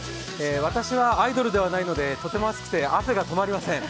私はアイドルではないのでとても暑くて汗が止まりません。